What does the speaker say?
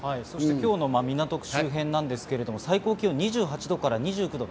今日の港区周辺ですが、最高気温２８度から２９度。